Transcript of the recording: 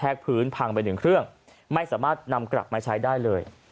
พื้นพังไปหนึ่งเครื่องไม่สามารถนำกลับมาใช้ได้เลย